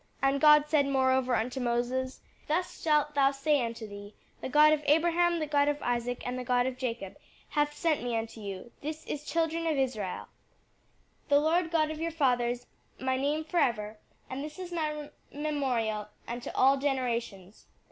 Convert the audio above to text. And God said moreover unto Moses, Thus shalt thou say unto the, the God of Abraham, the God of Isaac, and the God of Jacob, hath sent me unto you; this is children of Israel, The Lord God of your fathers my name forever, and this is my memorial unto all generations.'